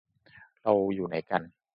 เราอยู่ไหนกัน